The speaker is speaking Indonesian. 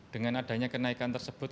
dengan adanya kenaikan tersebut